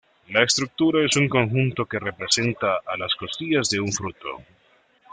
La estructura es un conjunto que representa a las costillas de un fruto.